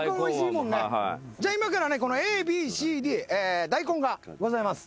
じゃあ今からねこのＡＢＣＤ大根がございます。